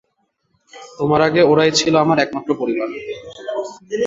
তোমার আগে ওরাই ছিল আমার একমাত্র পরিবার।